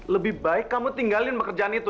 lebih baik kamu tinggalin pekerjaan itu